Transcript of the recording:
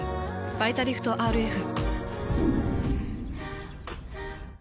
「バイタリフトＲＦ」。